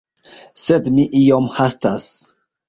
Sed mi iom hastas.